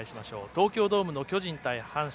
東京ドームの巨人対阪神